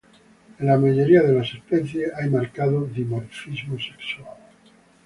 En la mayoría de las especies hay marcado dimorfismo sexual.